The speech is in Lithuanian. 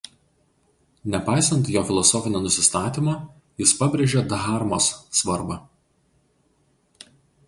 Nepaisant jo filosofinio nusistatymo jis pabrėžia dharmos svarbą.